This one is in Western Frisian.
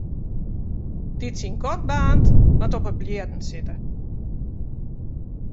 Dy't syn gat baarnt, moat op 'e blierren sitte.